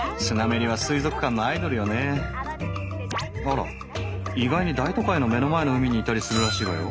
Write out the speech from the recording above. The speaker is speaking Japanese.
あら意外に大都会の目の前の海にいたりするらしいわよ。